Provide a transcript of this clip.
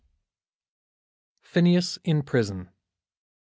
PHINEAS IN PRISON.